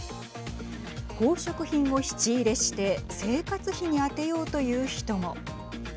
宝飾品を質入れして生活費に充てようという人も。